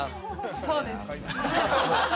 そうです。